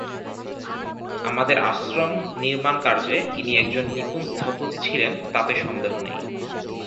আমাদের আশ্রম-নির্মাণ-কার্যে ইনি একজন নিপুণ স্থপতি ছিলেন তাতে সন্দেহ নেই।